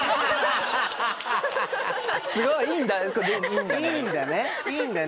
すごっいいんだ！